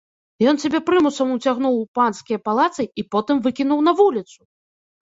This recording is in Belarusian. Ён цябе прымусам уцягнуў у панскія палацы і потым выкінуў на вуліцу!